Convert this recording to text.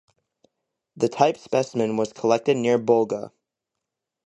The type specimen was collected near Bulga.